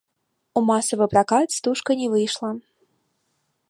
У масавы пракат стужка не выйшла.